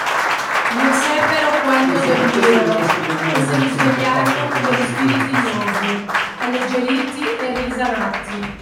Non seppero quanto dormirono, e si risvegliarono con degli spiriti nuovi, alleggeriti e risanati.